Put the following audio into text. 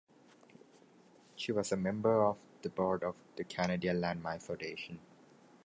She was a member of the board of the Canadian Landmine Foundation.